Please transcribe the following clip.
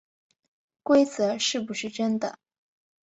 规则是不是真的